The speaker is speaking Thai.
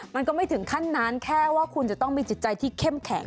มันก็ไม่ถึงขั้นนั้นแค่ว่าคุณจะต้องมีจิตใจที่เข้มแข็ง